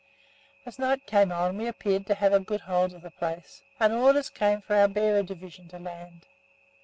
As night came on we appeared to have a good hold of the place, and orders came for our bearer division to land.